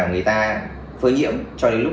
người ta phơi nhiễm cho đến lúc